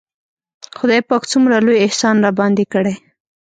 خداى پاک څومره لوى احسان راباندې کړى.